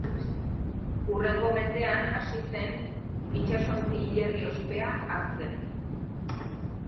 Hurrengo mendean hasi zen itsasontzi-hilerri ospea hartzen.